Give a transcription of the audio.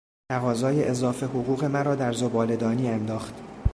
تقاضای اضافه حقوق مرا در زبالهدانی انداخت!